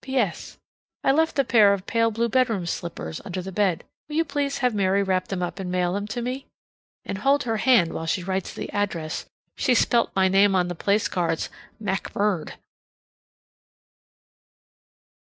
P.S. I left a pair of pale blue bedroom slippers under the bed. Will you please have Mary wrap them up and mail them to me? And hold her hand while she writes the address. She spelt my name on the place cards "Mackbird."